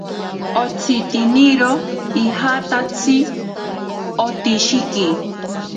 Otsitiniro ijatatsi otsishiki.